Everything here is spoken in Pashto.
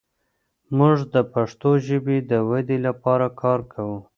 موږ د پښتو ژبې د ودې لپاره کار کوو.